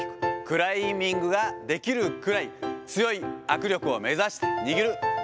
クライミングができるぐらい強い握力を目指して握る。